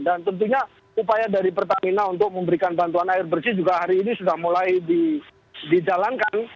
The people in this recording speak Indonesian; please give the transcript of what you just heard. dan tentunya upaya dari pertamina untuk memberikan bantuan air bersih juga hari ini sudah mulai dijalankan